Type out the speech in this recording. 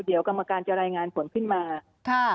เดี๋ยวกรรมการจะรายงานผลขึ้นมาค่ะ